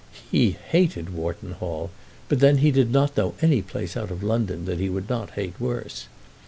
He hated Wharton Hall, but then he did not know any place out of London that he would not hate worse.